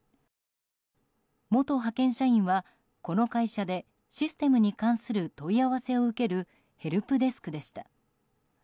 元派遣社員はこの会社でシステムに関する問い合わせを受けるヘルプデスクでした。